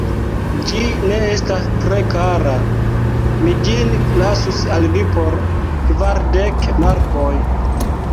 Ĝi ne estas tre kara, mi ĝin lasus al vi por kvardek markoj.